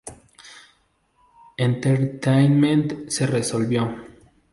Entertainment se resolvió.